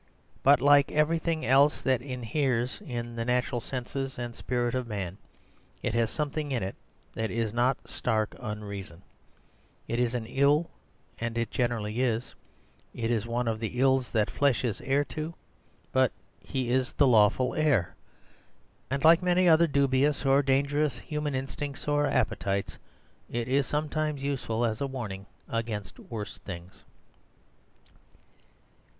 But like everything else that inheres in the natural senses and spirit of man, it has something in it; it is not stark unreason. If it is an ill (and it generally is), it is one of the ills that flesh is heir to, but he is the lawful heir. And like many other dubious or dangerous human instincts or appetites, it is sometimes useful as a warning against worse things.